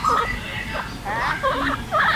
片头曲是歌手矢田悠佑的出道作。